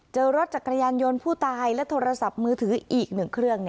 เจอรถจักรยานยนต์ผู้ตายและโทรศัพท์มือถืออีก๑เครื่อง